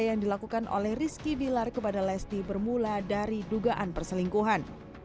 yang dilakukan oleh rizky bilar kepada lesti bermula dari dugaan perselingkuhan